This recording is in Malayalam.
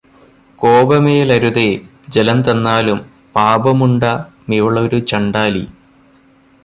കോപമേലരുതേ; ജലം തന്നാലും, പാപമുണ്ടാ മിവളൊരു ചണ്ഡാലി.